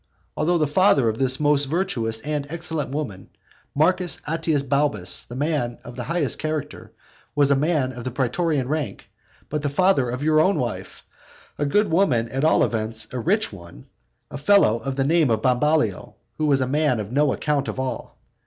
Although the father of this most virtuous and excellent woman, Marcus Atius Balbus, a man of the highest character, was a man of praetorian rank; but the father of your wife, a good woman, at all events a rich one, a fellow of the name of Bambalio, was a man of no account at all.